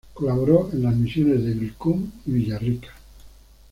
Colaboró en las misiones de Vilcún y Villarrica.